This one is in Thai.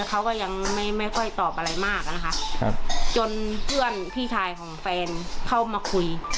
เขาก็ยังไม่ไม่ค่อยตอบอะไรมากนะคะจนเพื่อนพี่ชายของแฟนเข้ามาคุย